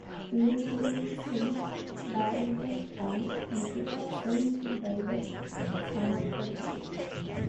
Eventually he sent Baranduk Khan into exile who died at Samarkand.